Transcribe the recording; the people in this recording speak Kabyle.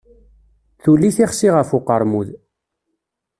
Tuli tixsi ɣef uqermud.